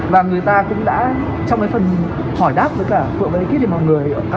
và người ta cũng đã trong cái phần hỏi đáp với cả phượng và ekip thì mọi người